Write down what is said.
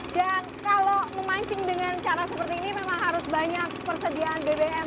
dan kalau memancing dengan cara seperti ini memang harus banyak persediaan bbm